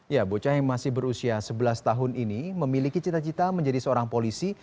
ya bocah yang masih berusia sebelas tahun ini memiliki cita cita menjadi seorang polisi